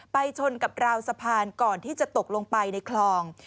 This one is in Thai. ชนกับราวสะพานก่อนที่จะตกลงไปในคลอง